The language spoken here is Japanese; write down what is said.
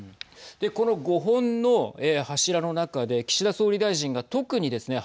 この５本の柱の中で岸田総理大臣が特にですね